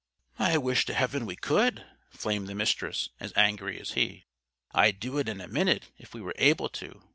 "I wish to heaven we could!" flamed the Mistress, as angry as he. "I'd do it in a minute if we were able to.